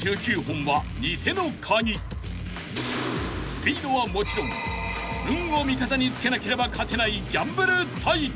［スピードはもちろん運を味方につけなければ勝てないギャンブル対決］